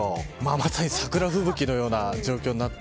まさに桜吹雪のような状況になって。